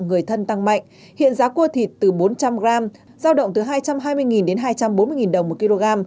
người thân tăng mạnh hiện giá cua thịt từ bốn trăm linh g giao động từ hai trăm hai mươi đến hai trăm bốn mươi đồng một kg